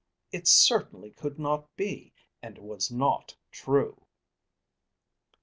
It certainly could not be, and was not true!